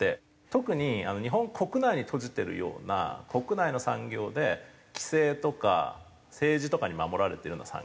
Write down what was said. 特に日本国内に閉じてるような国内の産業で規制とか政治とかに守られているような産業。